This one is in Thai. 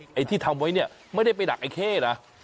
ไอ้ที่ทำไว้เนี่ยไม่ได้ไปดักไอ้เข้นะ